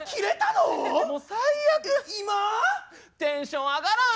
今⁉テンション上がらん。